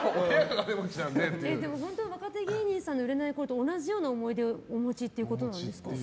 でも、若手芸人さんの売れないころと同じような思い出をお持ちってことですか？